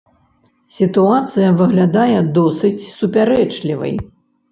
Сітуацыя выглядае досыць супярэчлівай.